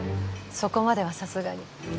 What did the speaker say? そこまではさすがに。